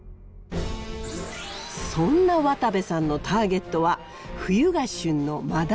そんな渡部さんのターゲットは冬が旬のマダラ。